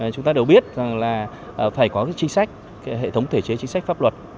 chúng ta đều biết rằng là phải có cái chính sách hệ thống thể chế chính sách pháp luật